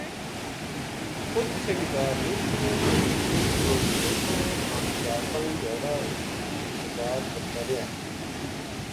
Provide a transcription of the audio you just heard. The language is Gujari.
اُت ٹھیکیدار نیہہ تھو وہ گلگت گیو وو تھو ہم چار پنج دھیاڑا اس کی انتظار کرت رہیا